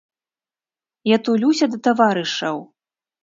Я тулюся да таварышаў.